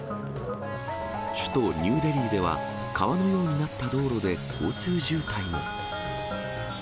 首都ニューデリーでは、川のようになった道路で交通渋滞も。